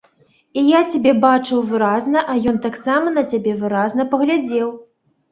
І я цябе бачыў выразна, а ён таксама на цябе выразна паглядзеў.